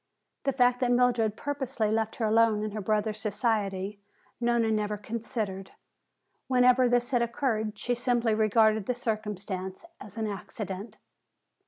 The fact that Mildred purposely left her alone in her brother's society, Nona never considered. Whenever this had occurred, she simply regarded the circumstance as an accident.